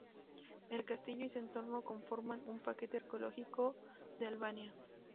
El castillo y su entorno conforman un Parque Arqueológico de Albania.